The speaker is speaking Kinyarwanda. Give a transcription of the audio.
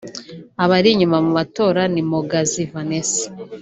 Abari inyuma mu matora ni Mpogazi Vanessa